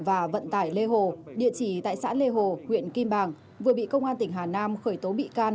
và vận tải lê hồ địa chỉ tại xã lê hồ huyện kim bàng vừa bị công an tỉnh hà nam khởi tố bị can